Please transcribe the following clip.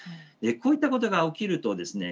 こういったことが起きるとですね